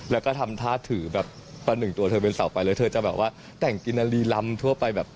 แล้วก็ทำท่าถือแบบประหนึ่งตัวเธอเป็นเสาไปแล้วเธอจะแบบว่าแต่งกินนารีลำทั่วไปแบบ